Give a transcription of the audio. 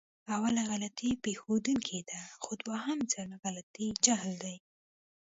اوله غلطي پېښدونکې ده، خو دوهم ځل غلطي جهل دی.